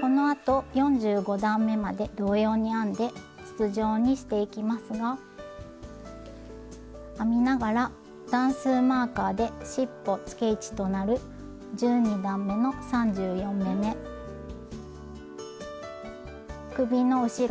このあと４５段めまで同様に編んで筒状にしていきますが編みながら段数マーカーでしっぽつけ位置となる１２段めの３４目め首の後ろ